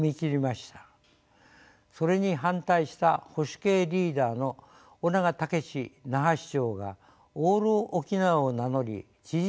それに反対した保守系リーダーの翁長雄志那覇市長が「オール沖縄」を名乗り知事選に勝利。